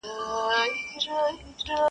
د پردي ملا په خوله به خلک نه سي غولېدلای -